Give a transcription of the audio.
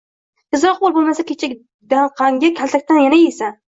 Tezroq boʻl, boʻlmasa kechandaqangi kaltakdan yana yeysan.